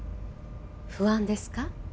不安ですか？